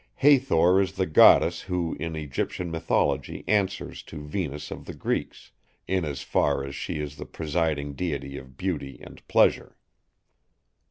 Hathor is the goddess who in Egyptian mythology answers to Venus of the Greeks, in as far as she is the presiding deity of beauty and pleasure.